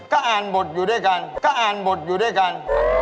ก็อ่านบทอยู่ด้วยกัน